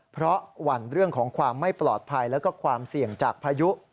เพราะหวั่นเรื่องของความไม่ปลอดภัยแล้วก็ความเสี่ยงจากพายุ